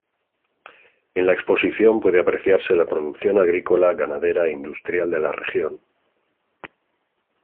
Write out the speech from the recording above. En la exposición puede apreciarse la producción agrícola, ganadera e industrial de la región.